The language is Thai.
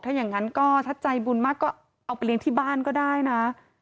ถ้าอย่างนั้นก็ถ้าใจบุญมากก็เอาไปเลี้ยงที่บ้านก็ได้นะ